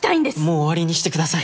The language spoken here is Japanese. もう終わりにしてください。